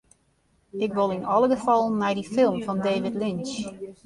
Ik wol yn alle gefallen nei dy film fan David Lynch.